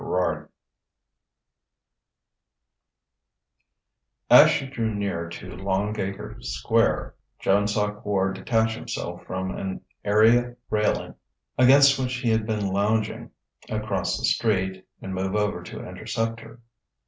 XXII As she drew near to Longacre Square, Joan saw Quard detach himself from an area railing against which he had been lounging across the street, and move over to intercept her.